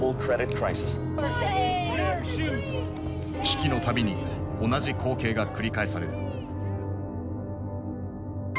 危機の度に同じ光景が繰り返される。